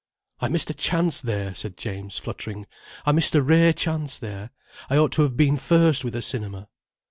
"I missed a chance there," said James, fluttering. "I missed a rare chance there. I ought to have been first with a cinema."